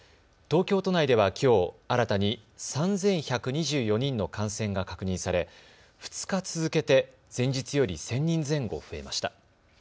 東京都内ではきょう新たに３１２４人の感染が確認され２日続けて前日より１０００人前後増えました。